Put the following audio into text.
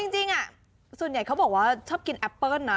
จริงส่วนใหญ่เขาบอกว่าชอบกินแอปเปิ้ลนะ